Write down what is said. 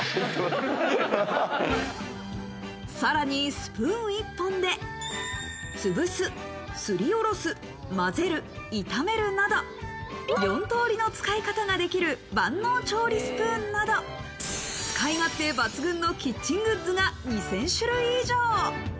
さらにスプーン１本で、つぶす、すりおろす、まぜる、炒めるなど、４通りの使い方ができる万能調理スプーンなど、使い勝手抜群のキッチングッズが２０００種類以上。